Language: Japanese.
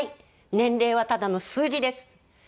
年齢はただの数字です。